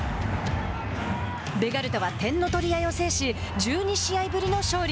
ベガルタは点の取り合いを制し１２試合ぶりの勝利。